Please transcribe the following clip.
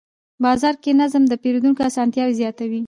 بازار کې نظم د پیرود اسانتیا زیاتوي